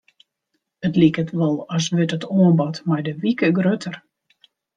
It liket wol as wurdt it oanbod mei de wike grutter.